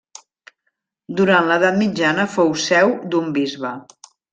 Durant l'edat mitjana fou seu d'un bisbe.